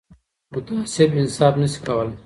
متعصب انصاف نه شي کولای